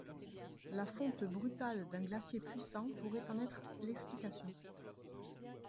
La fonte brutale d'un glacier puissant pourrait en être l'explication.